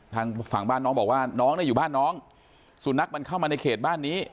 ทางฝั่งบ้านน้องบอกว่าน้องเนี่ยอยู่บ้านน้องสุนัขมันเข้ามาในเขตบ้านนี้